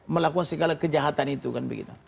melakukan segala kejahatan itu kan begitu